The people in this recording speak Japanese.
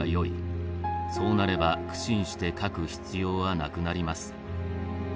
そうなれば苦心して書く必要はなくなります。